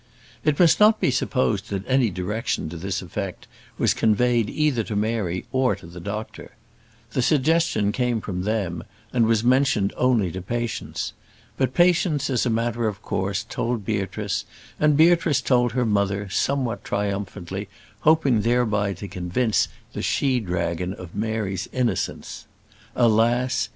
It must not be supposed that any direction to this effect was conveyed either to Mary or to the doctor. The suggestion came from them, and was mentioned only to Patience. But Patience, as a matter of course, told Beatrice, and Beatrice told her mother, somewhat triumphantly, hoping thereby to convince the she dragon of Mary's innocence. Alas!